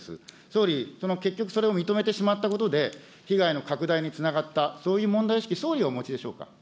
総理、結局それを認めてしまったことで、被害の拡大につながった、そういう問題意識、総理はお持ちでしょうか。